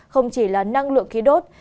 không chỉ là năng lượng khí đốt